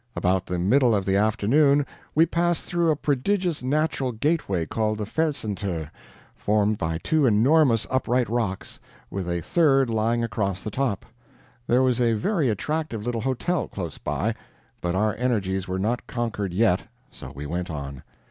About the middle of the afternoon we passed through a prodigious natural gateway called the Felsenthor, formed by two enormous upright rocks, with a third lying across the top. There was a very attractive little hotel close by, but our energies were not conquered yet, so we went on.